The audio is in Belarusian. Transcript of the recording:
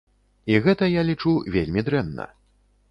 І гэта, я лічу, вельмі дрэнна.